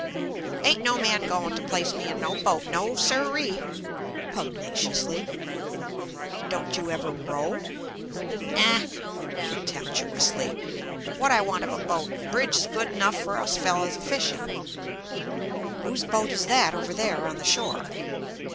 "Aint no man goin' t' place me in no boat! No siree!" pugnaciously. "Don't you ever row?" "Nah!" contemptuously; "what I want of a boat? Bridge 's good 'nough fer us fellers, a fishin'." "Whose boat is that, over there, on the shore?"